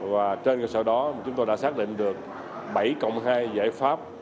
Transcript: và trên hội nghị đó chúng tôi đã xác định được bảy cộng hai giải pháp